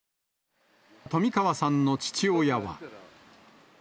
冨川さんの父親は。